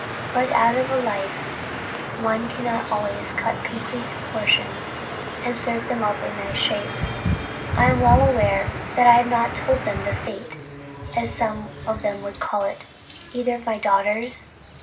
But out of a life one cannot always cut complete portions, and serve them up in nice shapes. I am well aware that I have not told them the fate, as some of them would call it, of either of my daughters.